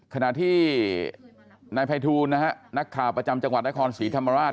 ขณะที่นายไพธูณนะครับนักข่าวประจำจังหวัดราคมศรีธามราช